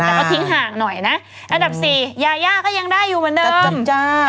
แต่ก็ทิ้งห่างหน่อยนะอันดับสี่ยาย่าก็ยังได้อยู่เหมือนเดิมจ้า